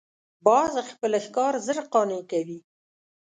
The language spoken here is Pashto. باز خپل ښکار ژر قانع کوي